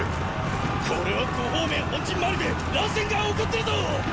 これは呉鳳明本陣周りで乱戦が起こってるぞ！